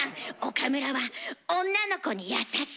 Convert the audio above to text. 岡村は女の子に優しい。